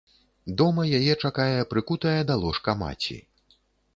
Дома яе чакае прыкутая да ложка маці.